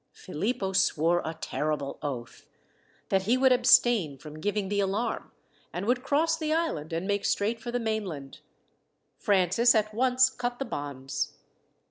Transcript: Philippo swore a terrible oath, that he would abstain from giving the alarm, and would cross the island and make straight for the mainland. Francis at once cut the bonds.